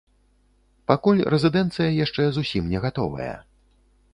Пакуль рэзідэнцыя яшчэ зусім не гатовая.